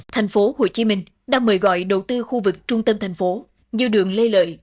tp hcm đã mời gọi đầu tư khu vực trung tâm thành phố nhiều đường lây lợi